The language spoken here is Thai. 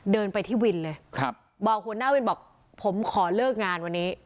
เดินไปที่วินเลยครับบอกหัวหน้าวินบอกผมขอเลิกงานวันนี้